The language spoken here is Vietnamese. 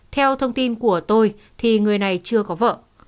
theo thông tin của tôi thì người này chưa có vợ